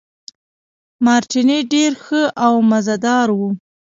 مارټیني ډېر ښه او مزه دار وو.